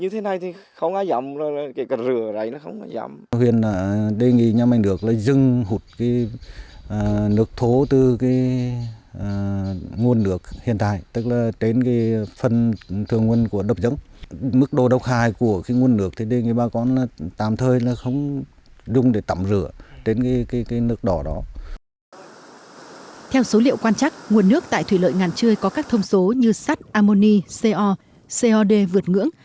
theo số liệu quan trắc nguồn nước tại thủy lợi ngàn trươi có các thông số như sắt amoni co cod vượt ngưỡng